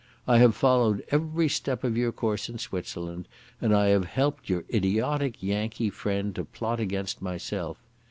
I have followed every step of your course in Switzerland, and I have helped your idiotic Yankee friend to plot against myself.